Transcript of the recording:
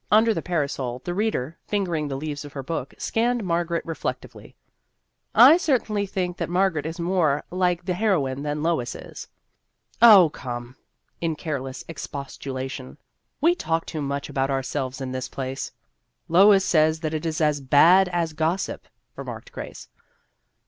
Under the parasol, the reader, finger ing the leaves of her book, scanned Mar garet reflectively. " I certainly think that Margaret is more like the heroine than Lois is." " Oh, come," in careless expostulation, " we talk too much about ourselves in this place." " Lois says that it is as bad as gossip," remarked Grace.